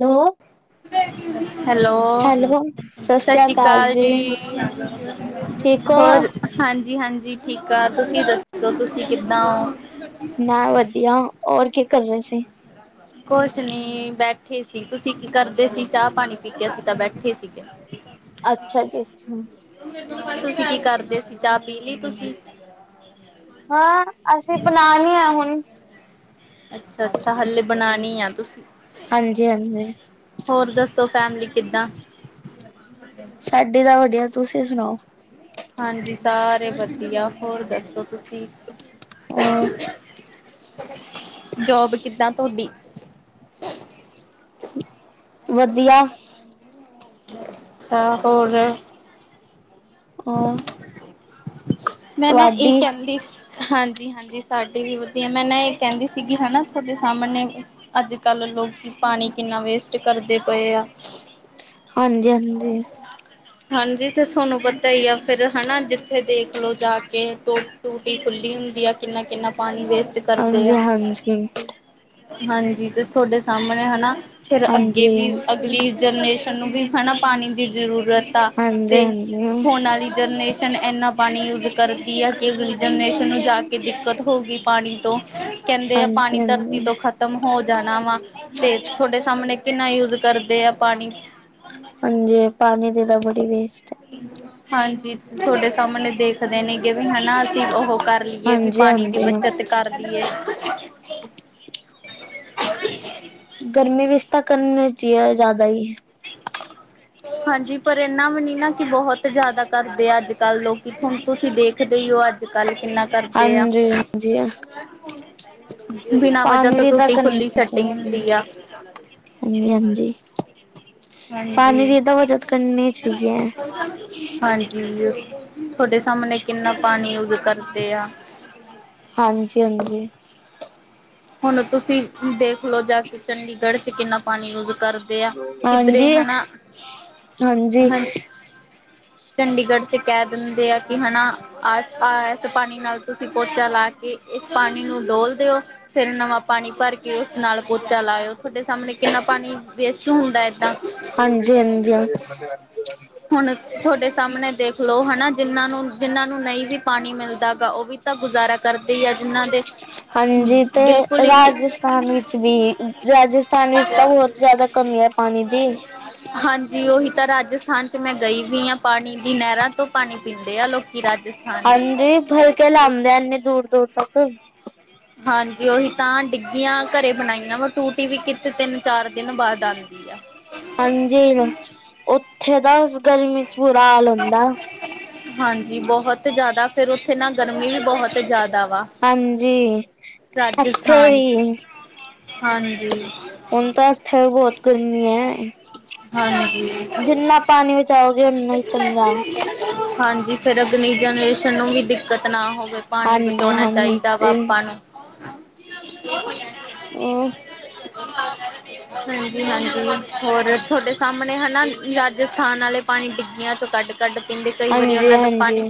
ਨੋ hello hello ਸਤਿ ਸ੍ਰੀ ਸਸ਼ੀ ਅਕਾਲ ਕਾਲ ਜੀ। ਠੀਕ ਹੋ? ਹੋਰ ਹਾਂਜੀ-ਹਾਂਜੀ ਠੀਕ ਆ ਤੁਸੀਂ ਦੱਸੋ ਤੁਸੀਂ ਕਿੱਦਾਂ ਓ? ਮ ਵਧੀਆ ਹੋਰ ਕੀ ਕਰ ਰਹੇ ਸੀ? ਕੁਛ ਨੀ ਬੈਠੇ ਸੀ ਤੁਸੀਂ ਕੀ ਕਰਦੇ ਸੀ ਚਾਹ ਪਾਣੀ ਪੀ ਕੇ ਅਸੀ ਤਾਂ ਬੈਠੇ ਸੀਗੇ। ਅੱਛਾ ਜੀ ਅੱਛਾ, [inaudible] ਤੁਸੀਂ ਕੀ ਕਾਰਦੇ ਸੀ ਚਾ ਪੀਲੀ ਤੁਸੀਂ? ਹਾਂ ਅਸੀਂ ਬਣਾਨੀ ਆ ਹੁਣ ਅੱਛਾ-ਅੱਛਾ ਹਲੇੇ ਬਣਾਣੀ ਆ ਤੁਸੀਂ ਹਾਂਜੀ-ਹਾਂਜੀ ਹੋਰ ਦੱਸੋ ਫੈਮਲੀ ਕਿੱਦਾਂ? ਸਾਡੀ ਤਾਂ ਵਧੀਆ ਤੁਸੀਂ ਸੁਣਾਓ? ਹਾਂਜੀ ਸਾਰੇ ਵਧੀਆ ਹੋਰ ਦੱਸੋ ਤੁਸੀਂ? ਔਰ [inaudible] ਜੋਬ ਕਿੱਦਾਂ ਤੋਡੀ? ਵਧੀਆ ਅੱਛਾ ਹੋਰ ਅ ਮੈਂ ਨਾ ਏ ਕਹਿੰਦੀ ਸੀ। ਹਾਂਜੀ-ਹਾਂਜੀਸਾਡੀ ਵੀ ਵਧੀਆ। ਮੈਂ ਨਾ ਏ ਕਹਿੰਦੀ ਸੀਗੀ ਹਨਾ ਤੁਹਾਡੇ ਸਾਹਮਣੇ ਅੱਜ ਕੱਲ੍ਹ ਲੋਕੀ ਪਾਣੀ ਕਿੰਨਾ ਵੇਸਟ ਕਰਦੇ ਪਏ ਆ। ਹਾਂਜੀ-ਹਾਂਜੀ ਹਾਂਜੀ ਤੇ ਥੋਨੂੰ ਪਤਾ ਈ ਆ ਫੇਰ ਹਨਾ ਜਿੱਥੇ ਦੇਖ ਲਓ ਜਾ ਕੇ ਟੋ ਟੂਟੀ ਖੁੱਲੀ ਹੁੰ ਦੀਆ ਕਿੰਨਾ- ਕਿੰਨਾ ਪਾਣੀ ਵੇਸਟ ਕਰਦੇ ਹਾਂਜੀ ਹਾਂਜੀ, ਆ। ਹਾਂਜੀ। ਹਾਂਜੀ ਤੇ ਥੋਡੇ ਸਾਹਮਣੇ ਹਨਾ ਫਿਰ ਅੱਗੇ ਹਾਂਜੀ ਵੀ ਹਾਂਜੀ, ਅਗਲੀ ਜਨਨੇਸ਼ਨ ਨੂੰ ਵੀ ਹਨਾ। ਪਾਣੀ ਦੀ ਜ਼ਰੂਰਤ ਆ। ਹਾਂਜੀ ਤੇ ਹੂੰਣ ਵਾਲੀ ਜਨਰੇਸ਼ਨ । ਏਨ ਏਨਾ, ਪਾਣੀ ਯੂਜ ਕਰਦੀ ਹੈ। ਕੇ ਅਗਲੀ ਜਨਨੇਸ਼ਨ, ਨੂੰ ਜਾ ਕੇ ਦਿੱਕਤ ਹਉ ਗੀ ਪਾਣੀ ਤੋਂ। ਕੇਂਦੇ ਆ। ਪਾਣੀ ਧਰਤੀ ਹਾਂਜੀ, ਤੋਂ ਖਤਮ ਹੋ ਜ ਜਾਣਾ ਵਾ। ਤੇ ਤੁਹਾਡੇ, ਸਾਮਣੇ ਕਿੰਨਾ ਯੂਜ ਕਰਦੇ ਆ ਪਾਣੀ। ਹਾਂਜੀ, ਪਾਣੀ ਦੀ ਤਾਂ, ਬੜੀ ਵੀ ਹਾਂਜੀ, ਤੁਹਡੇ ਸਾਹਮਣੇ ਦੇਖਦੇ ਨੇਗੇ ਵੀ, ਹਨਾ ਅਸੀਂ ਉਹ ਕਰ ਲੀਏ ਵੀ, ਹਾਂਜੀ ਪਾਣੀ ਦੀ ਹਾਂਜੀ, ਬੱਚਤ ਕਰ ਲੀਏ। [unintelligible] ਗਰਮੀ ਵਿੱਚ ਤਾਂ, ਕਰਨੀ ਚੀਏ ਜ਼ਿਆਦਾ ਈ ਹਾਂਜੀ, ਪਰ ਇਨਾ ਵੀ ਨੀ ਨਾ, ਕਿ ਬਹੁਤ ਜ਼ਿਆਦਾ ਕਰਦੇ ਆ ।ਅੱਜ ਕੱਲ ਲੋਕੀ ਕਿੱਥੋਂਣ ਤੁਸੀਂ ਦੇਖਦੇ ਏ, ਉਹ ਅੱਜ ਕੱਲ ਕਿੰਨਾ ਕਰਦੇ ਆ ਹਾਂਜੀ-ਹਾਂਜੀ ਆ। ਬਿਨਾਂ ਵਜ੍ਹਾ ਤੋਂ ਪੰਜਜੀ [unintelligible] ਟੁੱਟੀ ਖੁੱਲੀ ਸੈਟਿੰਗ ਹੁੰਦੀ ਆ ਹਾਂਜੀ-ਹਾਂਜੀ। ਪਾਣੀ ਹਾਂਜੀ ਦੀ ਤੇ ਬਚਤ ਕਰਨੀ ਚਾਹੀਏ। ਤੁਹਡੇ ਸਾਹਮਣੇ, ਕਿੰਨਾ ਪਾਣੀ, ਯੂਜ ਕਰਦੇ ਆ। ਹਾਂਜੀ ਹਾਂਜੀ ਹੁਣ, ਤੁਸੀਂ ਦੇਖਲੋ ਜਾ ਕੇ, ਚੰਡੀਗੜ ਚ, ਕਿੰਨਾ ਪਾਣੀ ਯੂਜ। ਕਰਦੇ ਆ। ਕਿਧਰੇ ਹਾਂਜੀ ਹਨਾ, ਹਾਂਜੀ। ਚੰਡੀਗੜ ਚ ਕਹਿ ਦਿੰਦੇ ਆ। ਕਿ ਹਨਾ ਆਸ ਪਾਸ, ਪਾਣੀ ਨਾਲ ਤੁਸੀਂ ਪੋਚਾ ਲਾ ਕੇ, ਇਸ ਪਾਣੀ ਨੂੰ ਡੋਲ ਦਿਓ। ਫੇਰ ਨਵਾਂ, ਪਾਣੀ ਭਰ ਕੇ ਉਸ ਨਾਲ ਪੋਚਾ ਲਾਇਓ। ਤੁਹਾਡੇ ਸਾਹਮਣੇ ਕਿੰਨਾ, ਪਾਣੀ ਵੇਸਟ ਹੁੰਦਾ। ਏਦਾਂ ਹਾਂਜੀ-ਹਾਂਜੀ, ਹਾਂਜੀ। ਹੁਣ, ਤੁਹਡੇ ਸਾਹਮਣੇ ਦੇਖਲੋ, ਹਨਾ, ਜਿਹਨਾਂ ਨੂੰ ਜਿਨਾਂ ਨੂੰ ਨਈ ਵੀ ਪਾਣੀ ਮਿਲਦਾ ਗਾ। ਉਹ ਵੀ ਤਾਂ ਗੁਜ਼ਾਰਾ ਕਰਦੇ ਈ ਆ। ਜਿਹਨਾਂ ਦੇ ਹਾਂਜੀ ਤੇ ਬਿਲਕੁਲ ਹੀ ਰਾਜਸਥਾਨ ਵਿੱਚ ਵੀ, ਰਾਜਸਥਾਨ ਵਿੱਚ ਤਾਂ ਬਹੁਤ ਜਿਆਦਾ ਕਮੀ ਐ, ਪਾਣੀ ਦੀ। ਹਾਂਜੀ, ਉਹੀ ਤਾਂ ਰਾਜਸਥਾਨ ਚ ਮੈਂ, ਗਈ ਵੀ ਆ। ਪਾਣੀ ਦੀ ਨਹਿਰਾਂ ਤੋਂ, ਪਾਣੀ ਪੀਂਦੇ ਆ ਲੋਕ ਹਾਂਜੀ, ਫਲਕੇ ਲਾਦੇਆਂ ਐਨੀ ਦੂਰ-ਦੂਰ ਤੱਕ। ਹਾਂਜੀ, ਉਹੀ ਤਾਂ ਡਿੱਗੀਆਂ ਘਰੇ ਬਣਾਈਆਂ ਵਾ। ਟੂਟੀ ਵੀ ਕਿੱਥੇ ਤਿੰਨ, ਚਾਰ ਦਿਨ ਬਾਅਦ ਆਂਦੀ ਆ। ਹਾਂਜੀ, ਉੱਥੇ ਤਾਂ ਗਰਮੀ ਚ, ਬੁਰਾ ਹਾਲ ਹੁੰਦਾ। ਹਾਂਜੀ ਬਹੁਤ ਜ਼ਿਆਦਾ ਫੇਰ, ਉੱਥੇ ਨਾ ਗਰਮੀ ਵੀ ਬਹੁਤ ਜ਼ਿਆਦਾ ਵਾ। ਹਾਂਜੀ, ਇਥੇ ਰਾਜਸਥਾਨ ਵੀ। ਹਾਂਜੀ। ਹੁਣ, ਤਾਂ ਇੱਥੇ ਵੀ, ਬਹੁਤ ਗਰਮੀ ਐ। ਹਾਂਜੀ, ਬਚਾਓਗੇ ਓਨਾ ਹੀ ਚੰਗਾ ਹਾਂਜੀ। ਫੇਰ, ਅਗਲੀ ਜਨਰੇਸ਼ਨ ਨੂੰ ਵੀ, ਦਿੱਕਤ ਨਾ ਹੋ ਫੇ, ਪਾਣੀ ਹਾਂਜੀ ਬਚਾਉਣਾ ਚਾਈਦਾ ਵਾ, ਹਾਂਜੀ। ਆਪਾਂ ਨੂੰ। ਹੂੰ। ਹਾਂਜੀ-ਹਾਂਜੀ, ਹੋਰ ਤੁਹਡੇ ਸਾਹਮਣੇ, ਹਨਾ। ਰਾਜਸਥਾਨ ਆਲੇ ਪਾਣੀ ਡਿੱਗੀਆਂ ਚੋਂ, ਕੱਢ-ਕੱਢ ਪੀਂਦੇ। ਕਈ ਵਾਰੀ ਹਾਂਜੀ ਉਹਨਾਂ ਦਾ ਹਾਂਜੀ ਪਾਣੀ।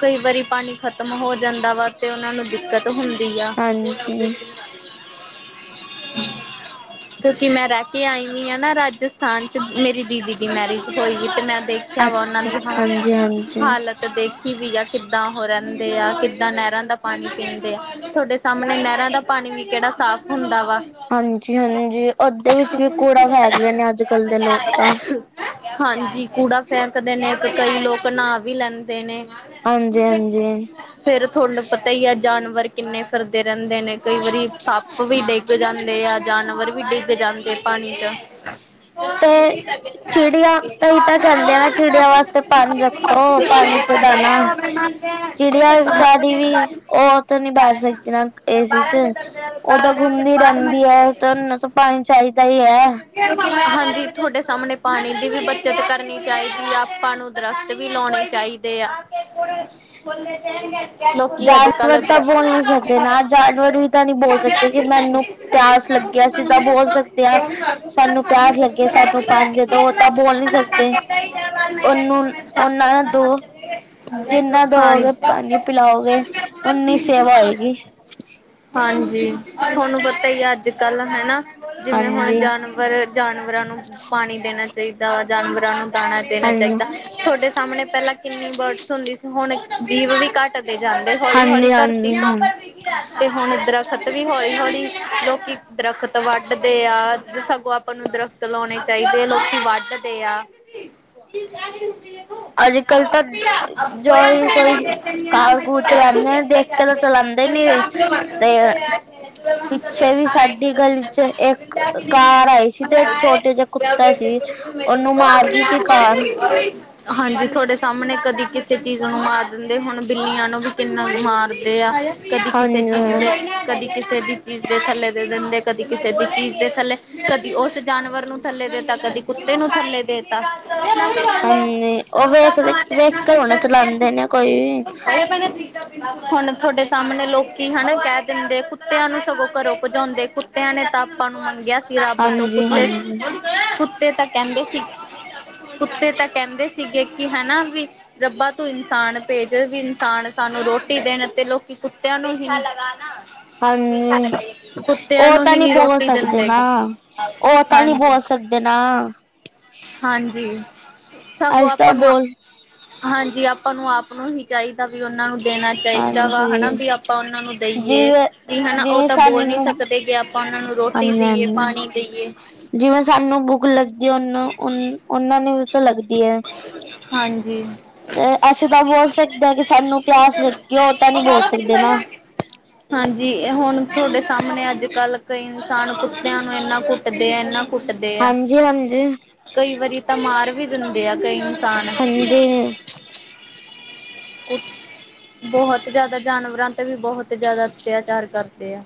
ਕਈ ਵਾਰੀ ਪਾਣੀ, ਖਤਮ ਹੋ ਜਾਂਦਾ ਵਾ। ਤੇ ਉਹਨਾਂ ਨੂੰ ਦਿੱਕਤ ਹੁਨ- ਦੀਆਂ। ਹਾਂਜੀ ਕਿਉਂਕਿ, ਮੈਂ ਰਹਿ ਕੇ ਆਈ ਵੀ ਆ ਨਾ, ਰਾਜਸਥਾਨ ਚ, ਮੇਰੀ ਦੀਦੀ ਦੀ ਮੈਰਿਜ ਹੋਈ। ਤੇ ਮੈਂ, ਦੇਖਿਆ ਵਾ ਉਹਨਾਂ ਅੱਛਾ ਦੀ ਹਾ ਹਾਂਜੀ ਹਾਂਜੀ। ਹਾਲਤ ਦੇਖੀ ਵੀ ਆ। ਕਿੱਦਾਂ ਔ ਰਹ ਦੇ ਆ, ਕਿੱਦਾਂ ਨਹਿਰਾਂ ਦਾ ਪਾਣੀ ਪੀਂਦੇ ਆ, ਤੁਹਾਡੇ ਸਾਹਮਣੇ ਨਹਿਰਾਂ ਦਾ ਪਾਣੀ ਵੀ, ਕਿਹੜਾ ਸਾਫ਼ ਹੁੰਦਾ ਵਾ। ਹਾਂਜੀ ਹਾਂਜੀ ਉਹਦੇ ਵਿੱਚ ਵੀ ਕੂੜਾ ਫੈਕਦੇ ਨੇ ਅੱਜ ਕੱਲ ਦੇ ਲੋਕ ਤਾਂ ਹਾਂਜੀ। ਕੂੜਾ ਫੇਕਦੇ ਨੇ, ਤੇ, ਕਈ ਲੋਕ ਨਾਅ ਵੀ ਲੈਂਦੇ ਨੇ। ਹਾਂਜੀ ਹਾਂਜੀ ਫੇਰ, ਥੋਹਨੂੰ ਪਤਾ ਈ ਐ, ਜਾਨਵਰ ਕਿੰਨੇ ਫਿਰਦੇ ਰਹਿੰਦੇ ਨੇ। ਕਈ ਵਾਰੀ ਸੱਪ ਵੀ ਡਿੱਗ ਜਾਂਦੇ ਆ। ਜਾਨਵਰ ਵੀ ਡਿੱਗ ਜਾਂਦੇ ਪਾਣੀ ਚ। ਤਾਂ ਈ ਤਾਂ ਕਹਿੰਦੇ ਐ। ਚਿੜੀਆਂ ਵਾਸਤੇ ਪਾਣੀ ਰੱਖੋ ਪਾਣੀ ਤੇ ਦਾਣਾ ਚੀ ਚੀੜੀਆਂ ਵਿਚਾਰੀ ਵੀ, ਉਹ ਉਥੇ ਨੀ ਬੈਠ ਸਕਦੀ ਨਾ ਏ ਸੀ ਚ, ਉਹ ਤਾਂ ਘੁੰਮਦੀ ਰ ਪੈਦੀ ਐ। ਤਾਂ ਇਹਨਾਂ ਤੋਂ ਪਾਣੀ ਚਾਹੀਦਾ ਈ ਐ। ਹਾਂਜੀ। ਤੁਹਾਡੇ ਸਾਹਮਣੇ ਪਾਣੀ ਦੀ ਵੀ ਬੱਚਤ ਕਰਨੀ ਚਾਹੀਦੀ ਆ। ਆਪਾਂ ਨੂੰ ਦਰਖਤ ਵੀ ਲਾਉਣੇ ਚਾਹੀਦੇ ਆ [inaudible] ਲੋਕੀ ਅੱਜ-ਕੱਲ ਜਾਨਵਰ ਤਾਂ ਦੱਰ ਬੋਲ ਨਹੀਂ ਸਕਦੇ ਨਾ ਜਾਨਵਰ ਵੀ ਤਾਂ ਨਹੀਂ ਬੋਲ ਸਕਦੇ ਕਿ ਮੈਨੂੰ ਪਿਆਸ ਲੱਗੀ ਅਸੀਂ ਤਾਂ ਬੋਲ ਸਕਦੇ ਹਾਂ ਸਾਨੂੰ ਪਿਆਸ ਲੱਗੇ ਸਾਨੂੰ ਪਾਣੀ ਦੇ ਦੋ ਉਹ ਤਾਂ ਬੋਲ ਨੀ [unintelligible] ਸਕਦੇ ਉਹਨੂੰ ਉਹਨਾਂ ਨੂੰ ਦੋ ਜਿੰਨਾ ਦੋਗੇ ਪਾਣੀ [unintelligible] ਪਿਲਾਓਗੇ, ਓਨੀ ਸੇਵਾ ਹਾਂਜੀ ਹੋਏਗੀ ਜ ਤੁਹਾਨੂੰ ਪਤਾ ਹੀ ਅੱਜ ਕੱਲ ਹਨਾ। ਜਿਵੇਂ ਹੁਣ ਹਾਂਜੀ ਜਾਨਵਰ ਜਾਨਵਰਾਂ ਪਾਣੀ ਦੇਣਾ ਚਾਹੀਦਾ। ਜਾਨਵਰਾਂ ਨੂੰ ਦਾਣਾ ਦੇਣਾ ਹਾਂਜੀ ਚਾਹੀਦਾ ਤੁਹਾਡੇ ਸਾਹਮਣੇ ਪਹਿਲਾਂ ਪਹਿਲਾਂ ਕਿੰਨੀ ਬਰਡਸ ਹੁੰਦੀ ਸੀ। ਹੁਣ ਜੀਵ ਵੀ ਘੱਟ ਤੇ ਜਾਂਨਵਰ ਹੌਲੀ-ਹੌਲੀ ਹਾਂਜੀ ਧਰਤੀ ਹਾਂਜੀ ਤੋ, ਹਾਂ ਤੇ ਹੁਣ ਦਰੱਖਤ ਖਤ ਵੀ ਹੌਲੀ-ਹੌਲੀ ਲੋਕੀ ਦਰੱਖਤ ਵੱਢਦੇ ਆ। ਸਗੋਂ ਆਪਾਂ ਨੂੰ ਦਰੱਖਤ ਲਾਉਣੇ ਚਾਹੀਦੇ ਲੋਕੀ ਵੱਢਦੇ ਆ [unintelligible] ਅੱਜ ਕੱਲ ਤਾਂ ਜੋ ਕੋਈ ਕਾਰ ਕੂਰ ਚਲਾਉਂਦੇ ਨੇ ਦੇਖ ਕੇ ਤਾਂ [unintelligible] [inaudible] ਚਲਾਉਂਦੇ ਨੀ ਤੇ ਪਿੱਛੇ ਵੀ ਸਾਡੀ ਗਲੀ ਚ ਇੱਕ ਕਾਰ ਆਈ ਸੀ ਤੇ ਇੱਕ ਛੋਟੇ ਜਿਹੇ ਕੁੱਤਾ ਸੀ ਉਹਨੂੰ ਮਾਰ ਗਈ ਸੀ ਕਾਰ ਹਾਂਜੀ। ਤੁਹਾਡੇ ਸਾਹਮਣੇ ਕਦੀ ਕਿਸੇ ਚੀਜ਼ ਨੂੰ ਮਾਰ ਦਿੰਦੇ, ਹੁਣ ਬਿੱਲੀਆਂ ਨੂੰ ਵੀ ਕਿੰਨਾ ਕੁ ਮਾਰਦੇ ਆ ਕਦੀ ਕਿਸੇ ਚੀਜ਼ ਹਾਂਜੀ ਦਾ ਕਦੀ ਕਿਸੇ ਕਿਸੇ ਦੀ ਚੀਜ਼ ਦੇ ਥੱਲੇ ਦੇ ਦਿੰਦੇ, ਕਦੀ ਕਿਸੇ ਦੀ ਚੀਜ਼ ਦੇ ਥੱਲੇ, ਕਦੀ ਉਸ ਜਾਨਵਰ ਨੂੰ ਥੱਲੇ ਦੇਤਾ। ਕਦੀ ਕੁੱਤੇ ਨੂੰ ਥੱਲੇ ਦੇਤਾ [inaudible] ਹਾਂਜੀ। ਉਹ ਵੇਖਦੇ ਵੇਖ ਕੇ ਹੁਣਾ ਚਲਾਉਂਦੇ ਨੇ ਕੋਈ ਵੀ ਹੁਣ ਤੁਹਾਡੇ ਸਾਹਮਣੇ ਲੋਕੀ ਹਨਾ ਕਹਿ ਦਿੰਦੇ। ਕੁੱਤਿਆਂ ਨੂੰ ਸਗੋਂ ਘਰੋਂ ਭਜਾਉਂਦੇ ਕੁੱਤਿਆਂ ਨੂੰ ਨੇ ਤਪਾ ਨੂੰ ਮੰਗਿਆ ਸੀ ਰੱਬ ਤੋਂ ਹਾਂਜੀ ਹਾਂਜੀ ਕੁੱਤੇ-ਕੁੱਤੇ ਤਾਂ ਕਹਿੰਦੇ ਸੀ ਕੁਤੇ ਤਾਂ ਕਹਿੰਦੇ ਸੀਗੇ। ਕਿ ਹਨਾ, ਵੀ ਰੱਬਾ ਤੂੰ ਇਨਸਾਨ ਭੇਜ ਵੀ ਇਨਸਾਨ ਸਾਨੂੰ ਨੂੰ ਰੋਟੀ ਦੇਣ ਤੇ ਲੋਕੀ ਕੁੱਤਿਆਂ ਨੂੰ ਹੀ ਹਾਂਜੀ। ਕੁੱਤਿਆਂ ਉਹ ਨੂੰ ਤਾਂ ਹੀ ਨਹੀਂ ਨੀ ਬੋਲ ਰੋਟੀ ਸਕਦੇ ਦਿੰਦੇ ਨਾ, ਗੇ। ਉਹ ਤਾਂ ਨਹੀਂ ਹਾਂਜੀ, ਬੋਲ ਸਕਦੇ ਨਾ ਹਾਂਜੀ ਸਗੋਂ ਅਸੀਂ ਤਾਂ ਆਪਾਂ ਨੂੰ! ਬੋਲ ਹਾਂਜੀ ਆਪਾਂ ਨੂੰ ਆਪ ਨੂੰ ਹੀ ਚਾਹੀਦਾ ਵੀ ਉਹਨਾਂ ਨੂੰ ਦੇਣਾ ਚਾਹੀਦਾ ਵਾ ਹਨਾ। ਹਾਂਜੀ ਵੀ ਆਪਾਂ ਉਹਨਾਂ ਨੂੰ ਦੇਈਏ। ਜਿਵੇਂ ਕੀ ਹਨਾ ਉਹ ਤਾਂ ਬੋਲ ਨੀ ਸਕਦੇ ਕੇ ਆਪਾਂ ਉਹਨਾਂ ਨੂੰ ਰੋਟੀ ਦੇਈਏ ਆਨੀ-ਆਨੀ, ਪਾਣੀ ਦੇਈਏ ਜਿਵੇਂ ਸਾਨੂੰ ਬੁੱਕ ਮੁੱਖ ਲੱਗਦੀ। ਉਹਨ-ਉਹਨਾਂ ਨੂੰ ਵੀ ਤਾਂ ਲੱਗਦੀ ਐ ਹਾਂਜੀ। ਤੇ, ਅਸੀਂ ਤਾਂ ਬੋਲ ਸਕਦੇ ਹਾਂ। ਕਿ ਸਾਨੂੰ ਪਿਆਸ ਲੱਗੀ। ਉਹ ਤਾਂ ਨਹੀ ਬੋਲ ਸਕਦੇ ਨਾ [unintelligible] ਜੀ। ਹੁਣ ਤੁਹਾਡੇ ਸਾਹਮਣੇ ਅੱਜ ਕੱਲ੍ਹ ਕਈ ਇਨਸਾਨ ਕੁੱਤਿਆਂ ਨੂੰ ਇੰਨਾ ਕੁਟਦੇ ਆ ਇੰਨਾਂ ਕੁੱਟਦੇ ਆ ਜੀ ਵਾ ਜੀ। ਕਈ ਵਾਰੀ ਤਾਂ ਮਾਰ ਵੀ ਦਿੰਦੇ ਆ। ਕਈ ਇਨਸਾਨ ਹੂੰ ਕੁਠ ਬਹੁਤ ਜਿਆਦਾ ਜਾਨਵਰਾਂ ਤੇ ਵੀ, ਬਹੁਤ ਜਿਆਦਾ ਅਤਿਆਚਾਰ ਕਰਦੇ ਆ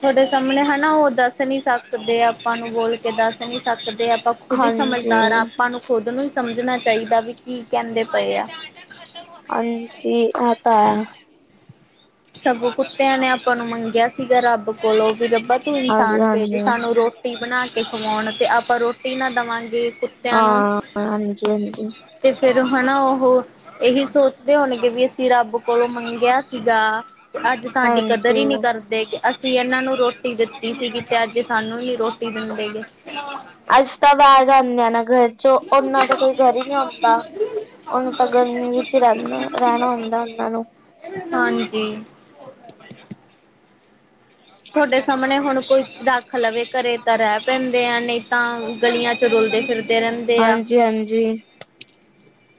ਤੁਹਾਡੇ ਸਾਹਮਣੇ ਹਨਾ। ਉਹ ਦੱਸ ਨੀ ਸਕਦੇ ਆਪਾਂ ਨੂੰ ਬੋਲ ਕੇ ਦੱਸ ਨੀ ਸਕਦੇ ਆਪਾਂ ਖੁਦ ਹੀ ਸਮਝਦਾਰ ਹਾਂ। ਹਾਂਜੀ-ਹਾਂਜੀ ਆਪਾਂ ਨੂੰ ਖੁਦ ਨੂੰ ਹੀ ਸਮਝਣਾ ਚਾਹੀਦਾ ਕੀ ਕਹਿੰਦੇ ਪੈ ਐ ਹਨ ਜੀ। ਐ ਤਾਂ ਹੈ। ਸਗੋਂ, ਕੁੱਤਿਆਂ ਨੇ ਆਪਾਂ ਨੂੰ ਮੰਗਿਆ ਸੀਗਾ ਰੱਬ ਕੋਲੋਂ ਕੀ ਰੱਬਾ ਤੂੰ ਇਨਸਾਨ ਭੇਜ ਹਾਂਜੀ-ਹਾਂਜੀ ਸਾਨੂੰ ਰੋਟੀ ਬਣਾ ਕੇ ਖਵਾਉਣ। ਤੇ ਆਪਾਂ ਰੋਟੀ ਨਾ ਦੇਵਾਂਗੇ ਹਾਂ ਕੁੱਤਿਆਂ ਨੂੰ ਹਾਂਜੀ-ਹਾਂਜੀ ਹਾਂਜੀ ਤੇ ਫੇਰ ਹਨਾ ।ਉਹ ਇਹੀ ਸੋਚਦੇ ਹੋਣਗੇ, ਵੀ ਅਸੀਂ ਰੱਬ ਕੋਲੋਂ ਮੰਗਿਆ ਸੀਗਾ ਅੱਜ ਸਾਡੀ ਕਦਰ ਹਾਂਜੀ ਹੀ ਨਹੀਂ ਕਰਦੇ। ਅਸੀਂ ਇਹਨਾਂ ਨੂੰ ਰੋਟੀ ਦਿੱਤੀ ਸੀਗੀ ਤੇ ਅੱਜ ਸਾਨੂੰ ਨੀ ਰੋਟੀ ਦਿੰਦੇ। ਗੇ ਅੱਜ ਤਾਂ ਬਾਹਰ ਜਾਂਦੇ [unintelligible] ਆ ਨਾ ਰ ਚ ਉਹਨਾਂ ਦਾ ਕੋਈ ਘਰ ਹੀ ਨੀ ਹੁੰਦਾ। ਉਹਨੂੰ ਤਾਂ ਗਰਮੀ ਵਿੱਚ ਹੀ ਰਹਿਣਾ ਰਹਿਣਾ ਹੁੰਦਾ। ਕਦਾ [unintelligible] ਉਹਨਾਂ ਨੂੰ ਹਾਂਜੀ। ਤੁਹਾਡੇ ਸਾਹਮਣੇ ਹੁਣ ਕੋਈ ਰੱਖ ਲਵੇ ਘਰੇ ਤਾਂ ਰਹਿ ਪੈਂਦੇ ਆ, ਨਹੀਂ ਤਾਂ ਗਲੀਆਂ ਚ ਰੁਲਦੇ ਫਿਰਦੇ ਰਹਿੰਦੇ ਆ। ਹਾਂਜੀ- ਹਾਂਜੀ।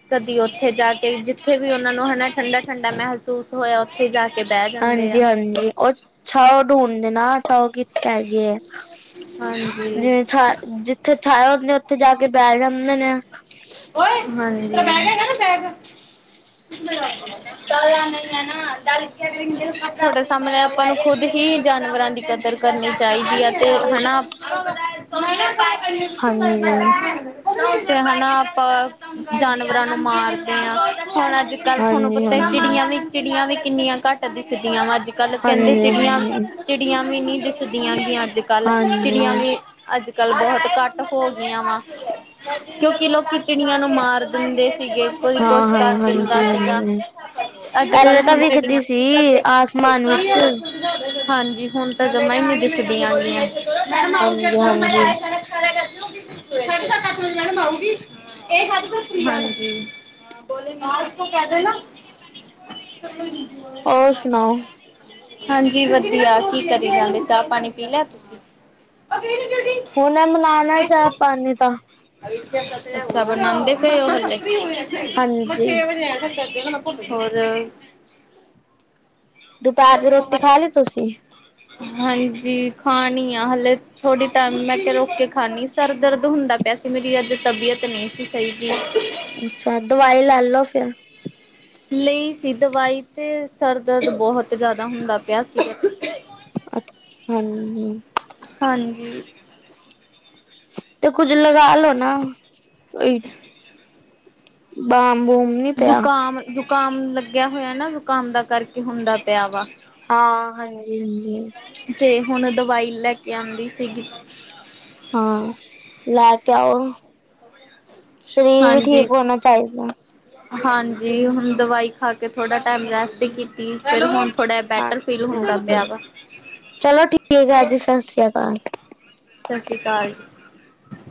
ਕਦੀ ਉੱਥੇ ਜਾ ਕੇ ਜਿੱਥੇ ਵੀ ਉਹਨਾਂ ਨੂੰ ਹਨਾ ਠੰਡਾ- ਠੰਡਾ ਮਹਿਸੂਸ ਹੋਇਆ। ਉੱਥੇ ਜਾ ਕੇ ਬਹਿ ਜਾਂਦੇ ਹਾਂਜੀ- ਆ। ਹਾਂਜੀ ਉਹ ਓ ਢੂੰਣ ਦੇ ਨਾ ਓ ਕਿ ਹੈਗੇ ਹੈ। ਹਾਂਜੀ, ਹਾਂਜੀ। ਜਿਵੇਂ ਛਾ ਜਿੱਥੇ ਛਾਇਆ [unintelligible] ਆਪਣੇ ਉੱਥੇ ਜਾ ਕੇ ਬੈਠ ਜਾਂਦੇ ਨੇ। ਬੈਗ ਹੈਗਾ ਨਾ ਬੈਗ। ਦਾਲਆ ਨਹੀ ਹੈ ਵੀ ਦਾਲ ਤੁਹਾਡੇ ਸਾਮਣੇ ਆਪਾਂ ਖੁਦ ਜਾਨਵਰਾਂ ਦੀ ਕਦਰ ਕਰਨੀ ਚਾਹੀਦੀ ਹੈ। ਅਤੇ ਹੈਨਾ ਹਾਂਜੀ ਤੇ ਹਨਾ ਆਪਾਂ ਜਾਨਵਰ ਰਾਂ ਨੂੰ ਮਾਰਦੇ ਹਾਂ। ਹੁਣ ਅੱਜ ਕੱਲ੍ਹ ਤੁਹਾਨੂੰ ਹਾਂਜੀ ਪਤਾ ਹਾਂਜੀ। ਚਿੜੀਆਂ ਵੀ ਚਿੜੀਆਂ ਵੀ ਕਿੰਨੀਆਂ ਘੱਟ ਦਿਸਦੀਆਂ ਵਾ ਅੱਜ ਕੱਲ੍ਹ ਕਹਿੰਦੇ ਚਿੜੀਆਂ- ਹਾਂਜੀ ਚਿੜੀਆਂ ਨਹੀਂ ਦਿਸਦੀਆਂ ਗੀ ਅੱਜ ਕੱਲ ਜਿਹੜੀਆਂ ਹਾਂਜੀ ਵੀ ਅੱਜ ਕਲ ਬਹੁਤ ਘੱਟ ਹੋ ਗਈਆਂ ਵਾ। ਕਿਉਂਕਿ ਲੋਕ ਚਿੜੀਆਂ ਨੂੰ ਮਾਰ ਦਿੰਦੇ। ਸੀਗੇ ।ਕੋਈ ਹਾਂ ਕੁਛ ਹਾਂ ਕਰ ਦਿੰਦਾ ਹਾਂਜੀ ਸੀਗਾ। ਹਾਂਜੀ। ਅੱਜ ਕੱਲ ਪਹਿਲੇ ਤਾਂ ਹੁਣ ਵਿਖਦੀ ਚਿੜੀਆਂ ਸੀ ਆਸਮਾਨ ਵਿੱਚ ਹਾਂਜੀ। ਹੁਣ ਤਾਂ ਜਮਾਂ ਹੀ ਦਿਸਦੀ ਅ ਗਈ। ਸਾਢੇ ਸੱਤ, ਅੱਠ ਹਾਂਜੀ ਹਾਂਜੀ। ਵਜੇ ਮੈਡਮ ਆਉਗੀ। ਇਹ ਹੱਲ [unintelligible] ਵਦ ਗ ਬੋ ਕਹਿ ਦੇਣਾ [unintelligible] ਹੋਰ ਸੁਣਾਓ ਹਾਂਜੀ। ਵਧੀਆ ਕੀ ਕਰੀ ਜਾਂਦੇ। ਚਾਹ- ਪਾਣੀ ਪੀ ਲਿਆ ਤੁਸੀਂ। ਹੁਣ ਮਨਾਉਣਾ ਚਾਹ -ਪਾਣੀ ਤਾਂ। ਬਨਾਉਂਦੇ ਪਏ ਉਹ ਹਜੇ ਵੀ। ਹਾਂਜੀ। ਛੇ ਵਜੇ ਹੋਰ ਦੁਪਹਿਰ ਦੀ ਰੋਟੀ ਖਾ ਲੀ ਤੁਸੀਂ। ਹਾਂਜੀ। ਖਾਣੀ ਆ ਹਲੇ ਥੋੜ੍ਹੀ ਟਾਈਮ ਮੈਂ ਕਿਹਾ- ਰੋਕ ਕੇ ਖਾਣੀ ਸਰ ਦਰਦ ਹੁੰਦਾ ਪਿਆ। ਵੈਸੇ ਮੇਰੀ ਅੱਜ ਤਬੀਅਤ ਨਹੀਂ ਸੀ ਸਹੀ ਗੀ। ਅੱਛਾ ਦਵਾਈ ਲੈ ਲੋਓ ਫੇਰ। ਲਈ ਸੀ ਦਵਾਈ ਤੇ ਸਰ ਦਰਦ ਬਹੁਤ ਜ਼ਿਆਦਾ ਹੁੰਦਾ ਪਿਆ ਸੀ। ਹਾਂਜੀ ਹਾਂਜੀ। ਤੇ ਕੁੱਝ ਲਗਾ ਲੋੋ ਨਾ ।ਕੋਈ ਬਾਹ ਜ਼ੁਕਾਮ- ਜ਼ੁਕਾਮ ਲੱਗਿਆ ਹੋਇਆ ਨਾ। ਜ਼ੁਕਾਮ ਦਾ ਕਰਕੇ ਹੁੰਦਾ ਪਿਆ ਵਾ। ਹਾਂ ਹਾਂਜੀ ਹਾਂਜੀ ਤੇ ਹੁਣ ਦਵਾਈ ਲੈ ਕੇ ਆਉਂਦੀ ਸੀਗੀ। ਹਾਂ। ਲੈ ਕੇ ਆਓ। ਸਰੀਰ ਵੀ ਹਾਂਜੀ ਠੀਕ ਹੋਣਾ ਚਾਹੀਦਾ। ਹਾਂਜੀ। ਹੁਣ ਦਵਾਈ ਖਾ ਕੇ ਥੋੜਾ ਟਾਈਮ ਰੈਸਟ ਕੀਤੀ। ਫੇਰ ਹੁਣ ਥੋੜ੍ਹਾ ਬੈਟਰ ਫੀਲ ਹਾਂਜੀ ਹੋਣ ਲੱਗ ਪਿਆ ਹਾਂਜੀ ਵਾ। ਚਲੋ ਠੀਕ ਆ ਜੀ, ਸਤਿ ਸ੍ਰੀ ਅਕਾਲ। ਸਤਿ ਸ੍ਰੀ ਅਕਾਲ ।